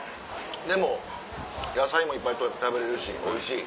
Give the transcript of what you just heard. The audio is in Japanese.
でも野菜もいっぱい食べれるしおいしい。